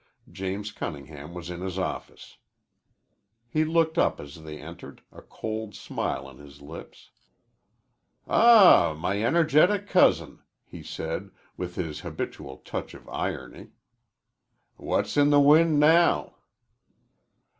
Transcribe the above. James Cunningham was in his office. He looked up as they entered, a cold smile on his lips. "Ah, my energetic cousin," he said, with his habitual touch of irony. "What's in the wind now?"